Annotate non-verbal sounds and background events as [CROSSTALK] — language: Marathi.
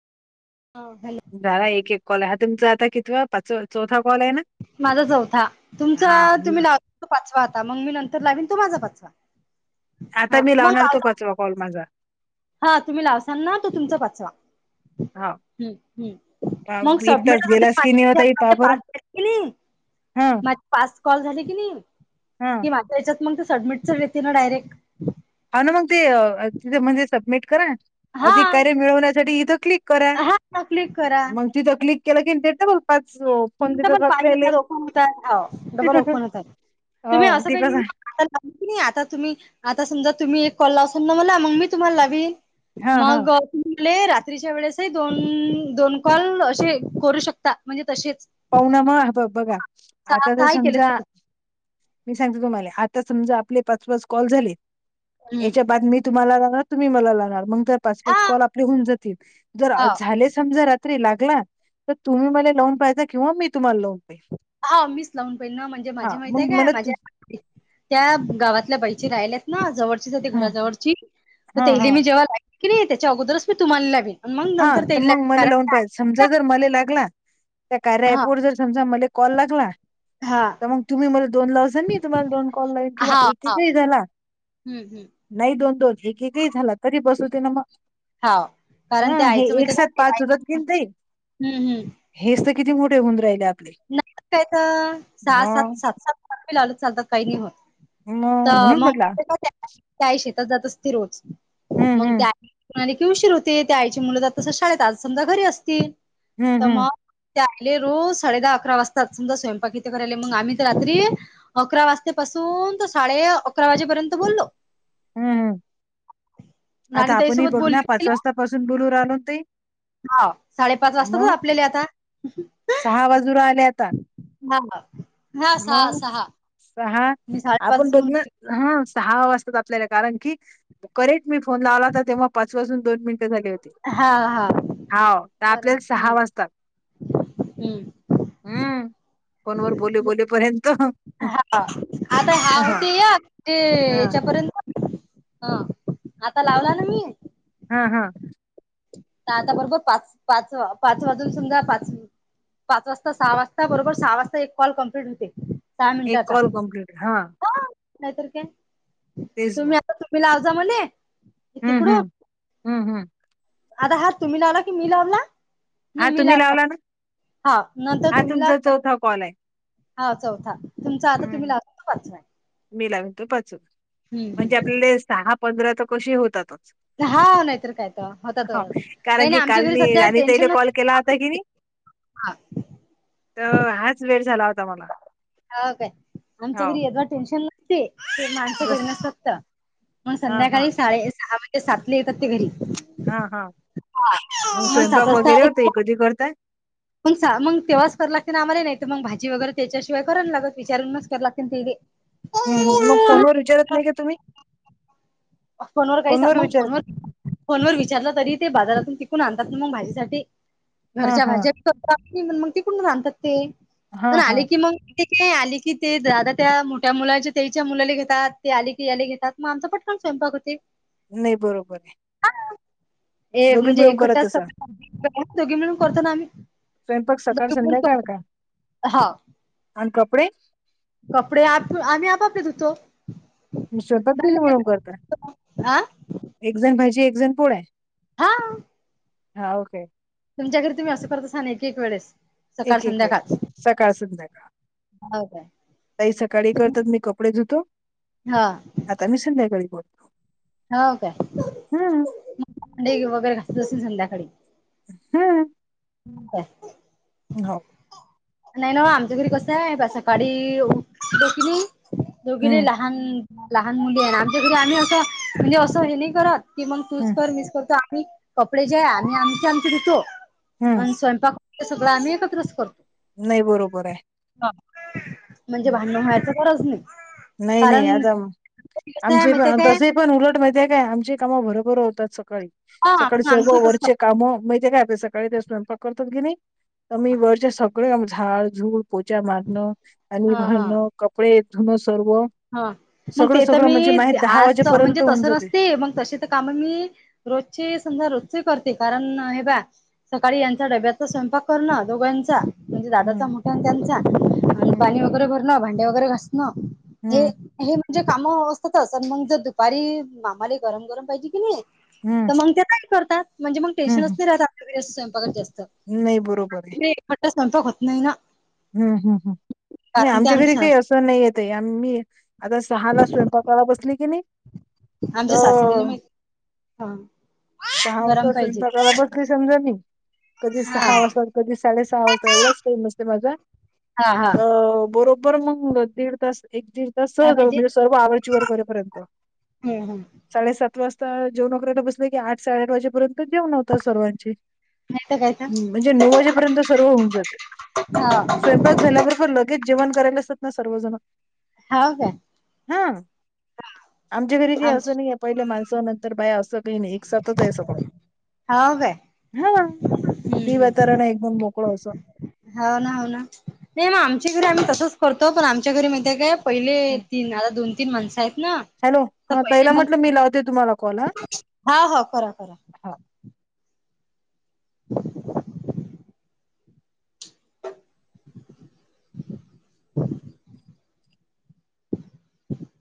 हा हॅलो झाला एक एक कॉल आहे हा तुमचा आता कितवा पाचव चौथा कॉल आहे ना. माझा चौथा हा तुमचाअ म तुम्ही लावता तो पाचवा आता मग मी नंतर लावीन तो माझा पाचवा. हा आता मी मग लावणार तो लावजा पाचवा कॉल माझा हा तुम्ही लावसान ना तो तुमचा पाचवा हा हूं हूं मग एक सबमिट तास च होते गेलाच की नाही ओ पाच ताई पहा आपले बरं पाच केले की नी. हा मग पाचं कॉल झाली की नी हा की माझ्या हच्यात मग ते सबमिट च येतील ना डायरेक्ट हा ना मग ते तिथ म्हणजे सबमिट करा हा अधिक कार्य मिळवण्यासाठी इथं क्लिक करा हा क्लिक करा मंग तथ क्लिक केला की ते त ब पाच अ पण तिथं पाच आपल्याले येतात ओपन होतात हो डबल ओपन होतात हो तुम्ही आणि असं ते काही नाही कसं आता आता तुम्ही आता समजा तुम्ही एक कॉल लावसानं ना मला मग मी तुम्हाला लावीन हा हा मग तुम्ही मले रात्रीच्या वेळेसही दोन दोन कॉल असे करू शकता म्हणजे तसेच हाव नां मग ब बघा सहा आता त सहा केले समजा मी सांगते तुम्हाले आता समजा आपले पाच पाच कॉल झाले हम्म याच्या बाद मी तुम्हाला लावणार तुम्ही मला लावणार मग काय पाच हा पाच कॉल आपले होऊन जातील जर हा अ झाले समजा रात तरी लागला त तुम्ही मला लावून पाहायचा किंवा मी तुम्हाला लावू हा मीच लावून पहिल ना म्हणजे माझी हा माहती आहे मग काय मला माझ्या त्या गावातल्या बाईचे राहिल्यात ना जवळ तिज त्या हा घराजवळची तर हा हा त्यायाले मी जेव्हा लावीन की नाही त्याच्या अगोदरच मी तुम्हाला लावीन. अनं मग हा नंतर तर त्यायले मग मला कारण लावून काय पाहिजे समजा जर मले लागला त्या कार्या हा ऍप जर समजा मले कॉल लागला हा त मंग तुम्ही मला दोन लावसाल मी तुम्हाला दोन कॉल लावीन किंवा एक एकही झाला हूं हूं नाही दोन दोन एक एकही झाला तरी बस होते ना म हाव कारण ते हं हे आईचं माहिती एक का साथ ते पाच घालते होतात की आईचं नये आई हं, हं. हेच तर किती मोठे होऊन राहिले आत लागतात तर सहा सात सात सात लावल [UNINTELLIGIBLE] चालतात काही नाही होत. तर म्हणून मग म्हटला त्याही शेतात जात असती रोज हम्म मग हम्म त्या आणखी उशीर होते त्या आईची मुलं तर तस शाळेत आज समजा घरी असतील हं, त हं, मग ते आले रोज साडे दहा अकरा वाजता समजा स्वयंपाक इथे करायले मंग आम्ही त रात्री अकरा वाजतापासून तर साडे अकरा वाजेपर्यंत बोललो. हम्महं आता नानी आपणही ताईसोबत बघ ना बोलले पाच गेलो. वाजतापासून बोलू राहलो न ते हाव साडेपाच वाजतातच आपल्याले आता सहा वाजू राहिले आता [UNINTELLIGIBLE] मंग सहा मी आपण साडेपाचच म्हणून दगन हा सहा वाजता आपल्याला कारण की करेक्ट मी फोन लावला होता तेव्हा पाच वाजून दोन मिनिट ट झाले होते हा हा हाव त बर आपल्याले हम्म सहा वाजतात. हम्म हम्म फोनवर बोलू हा आता हा होते एक ते हां, याच्यापर्यंत हा आता लावला ना मी हा हा त आता बरोबर पाच पाच पाच वाजून समजा पाच पाच वाजता सहा वाजता बरोबर सहा वाजता एक कॉल कम्प्लीट होते. सहा एक मिनिटाचा कॉल कंप्लीट हां, हो नाहीत काये तेच तुम्ही आता तुम्ही लावजा म्हणे हम्म हम्म हम्म हम्म आता हा तुम्ही लावला की मी लावला हा नाही तुम्ही मीला लावला ना? हा न तर हा तुम्हीला तुमचा चौथा कॉल आहे. हा चौथा तुमचा आता तुम्ही हं, लागल पाचवा मी लावन तो पाचून हम्म हम्म म्हणजे आपल्याले सहा पंधरा तर कशी होतात हा नाहीतर काय तर होतातच काही कारण नाही की आमच्या काल घरी मी सध्या राणी टेन्शन तले कॉल नसतं. ता कि नाही तर हाच वेळ झाला होता मला हा काय आमच्या हाव घरी यदव टेन्शन नसते ते माणसं जस घिरणत मग हा हा संध्याकाळी साडे सहा म्हणजे सातले येतात ते घरी हा हा मग स्वयंपाक वगैरे होते कधी करताय पण मग तेव्हाच कररा लागते ना आम्हाला नाही तर मग भाजी वगैरे त्याच्याशिवाय करा लागत विचारूनच कर लागतील ना ते ते ह मग फोन व विचारत नाही का तुम्ही फोनवर काही मग फोन व फोन वर विचारलं तरी ते बाजारातून टिकून आणतात ना मग भाझ्यासाठी हा घरच्या हा भाज्या स्त मग ते कोण राांधतात ते हा प हा आले की मग ते का नाही आली की ते दादा त्या मोठ्या मुलाच्या त्याच्या मुलाले घेतात ते आले की याला घेतात मग आमचा पट संपाकते नाही बरोबर आहे ए दोघी म्हणजे मिळून एकट्या करत असाल सग दोघी मिळून करतो ना आम्ही स्वयंपाक सकाळ हा अन कपडे कपडे आप आम्ही आपापले दुतो म स्वतक बरी म्हणून करत आ एकजण भाहिजे एकजण पोढ आहे हा हा ओके तुमच्या घरी तुमही असं करसा ना एक वेळेस सकाळ एक एक संध्याकाळ वेळेस सकाळ सुद्धका हो काय तई सकाळी करतात मी कपडे धुतो हा आता मी संध्याकाळी बोलतो. हो हम्म कायडे वगैरे घासत असल संध्याकाळी हम्म. हो का? हो. नाही ना आमच्या घरी कसं आहे बा सकाळी दोकली हम्म दोघेलेला लहान लहान मुली आहे आमच्या घरी आम्ही असं म्हणजे असं हे नाही करत. ती मग तूस हम्म कर मिस करतो आम्ही कपडे ज्या आणि आमचे आमचे दुतो. हम्म आणि स्वयंपाक सगळं आम्ही एकत्रच करतो. नाही बरोबर आहे. म्हणजे हम्म भांण व्हायच गरज नाही. नाही नाही कारण आता कसं आहे आमचे माहिती पण काय तस. पण उलट माहिती आहे काय आमची कामं बरोबर होतात सकाळी हा सकाळी मग सर्व आमची तसं वरचे काम माहितीे काय सकाळी ते स्यंपा करतात गिनी आ् वरच्या सगळे झाड झूड पोचा मारणं आणि हा हा भरणं. कपडे येत ना सर्व हा मग सगळं ते तर सगळं मी म्हणजे माही दहा आज म्हणजे वाजेपर्यंत होऊन तसं जाते नसते मग तसे काम मी रोजची समजा रोजचे करते कारण हे बा सकाळी यांचा डब्याचा स्वयंपाक करणं दोघांचा म्हणजे हम्म दादाचा मोठा आणि त्यांचा आणि हम्म पाणी वगैरे भरणं भांडे वगैरे घासणं हे. हम्म हे म्हणजे काम अवस्थातच मग जर दुपारी मामाारी गरम गरम पाहिजे की नाही. हम्म. तर मग ते काही करतात म्हणजे मग टेन्नच हम्म नाही राहत आपल्या अस स्वयंपाक जास्त नाही बरोबर आहे. खट स्वयंपाक होत नाही ना. हम् हम हम् नाही कारण ते आमच्या घरी काही असं नाहीय. ते आ मी आता सहा ला स्वयंपाकाला बसली की नाही. आमच्या सासऱ्याला तर माहि हा गरम पाहिजे. कधी समजा मी कधी सहा हा वाजता कधी साडे सहा वाजता एवढाच टाईम असते माझा हा हा. अ बरोबर मग दीड तास एक दीड तस काय पाहिजे म्हणजे सर्व आवडचीवर करेपर्यंत हम्म हम्म साडे सात वाजता जेव नकऱ्याला बसलं की आठ साडेआठ वाजेपर्यंत जेव नकतो. सर्वांची नाही तर काय तर म्हणजे नऊ वाजेपर्यंत सर्व होऊन जाते. हो स्वयंपाक झाल्याबरोबर लगेच जेवण करायलाचात ना सर्वजण हा का? हा आमच्या घरी काही आमच असं नाही आहे पहिल्या माणसानंतर बाया असं. का एक सप्तस प हा का? हा फ्रीवातारण एक दन मोकळो असो. होा ना हो ना नाही मग आमच्या घरी आम्ही तसंच करतो पण आमच्या घरी माहि काय? पहिले तीन आता दोन तीन माणसं आहेत ना. हॅलो तर हा तैला पहिले मग म्हटलं मी लावते तुम्हाला कॉल हा. हा होा करा करा. हो [UNINTELLIGIBLE]